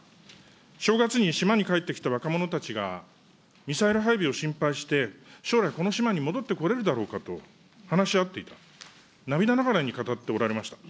正月に島に帰ってきた若者たちがミサイル配備を心配して、将来、この島に戻ってこれるだろうかと話し合っていたと、涙ながらに語っておられました。